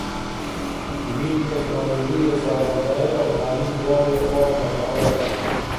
ویب ټکنالوژي د سوداګرۍ او تعلیم دواړو لپاره ګټوره ده.